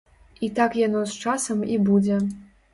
І так яно з часам і будзе.